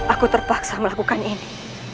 aku terpaksa melakukan ini